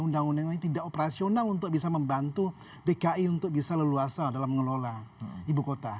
undang undang ini tidak operasional untuk bisa membantu dki untuk bisa leluasa dalam mengelola ibu kota